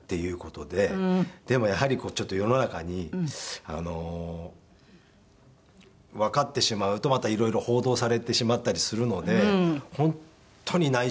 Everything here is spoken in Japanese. でもやはりちょっと世の中にわかってしまうとまた色々報道されてしまったりするので本当に内緒にしてハワイで。